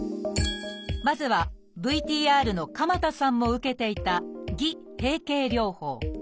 まずはＶＴＲの鎌田さんも受けていた「偽閉経療法」。